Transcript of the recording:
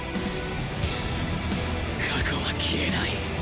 過去は消えない！